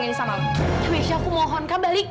kenapa sih non